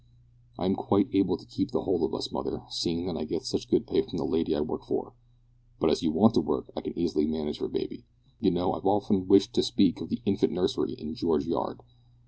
"I am quite able to keep the whole of us, mother, seeing that I get such good pay from the lady I work for, but as you want to work, I can easily manage for baby. You know I've often wished to speak of the Infant Nursery in George Yard.